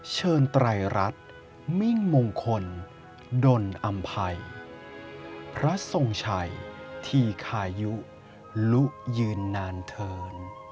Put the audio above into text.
ไตรรัฐมิ่งมงคลดนอำภัยพระทรงชัยธีคายุลุยืนนานเถิน